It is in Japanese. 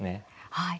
はい。